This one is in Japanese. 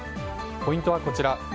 ポイントはこちら。